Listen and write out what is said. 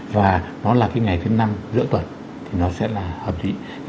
và nó là cái ngày thứ năm giữa tuần thì nó sẽ là hợp lý